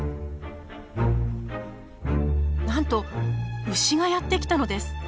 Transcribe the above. なんと牛がやって来たのです。